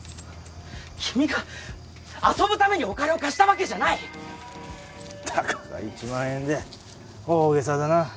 君が遊ぶためにお金を貸したわけじゃないたかが１万円で大げさだな。